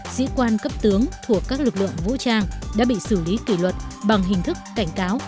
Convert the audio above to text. sĩ quan cấp tướng thuộc các lực lượng vũ trang đã bị xử lý kỷ luật bằng hình thức cảnh cáo